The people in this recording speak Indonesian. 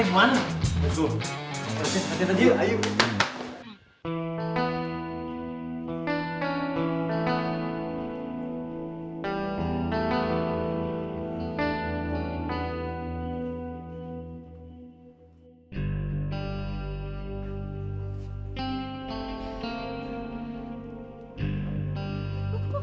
ih udah ya